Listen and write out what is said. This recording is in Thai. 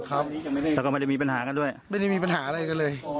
แล้วก็ไม่ได้มีปัญหากันด้วยไม่ได้มีปัญหาอะไรกันเลย